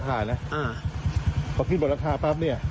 เข้าไปบ้านนี้